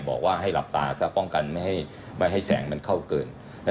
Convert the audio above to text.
บอกว่าให้หลับตาซะป้องกันไม่ให้แสงมันเข้าเกิน